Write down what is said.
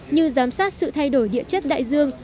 như giám sát sự thay đổi địa chất đại dương